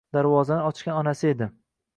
Darvozani ochgan onasi edi.